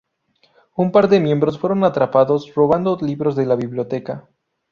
Un par de miembros fueron atrapados robando libros de la biblioteca.